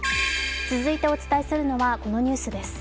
続いてはお伝えするのは、このニュースです。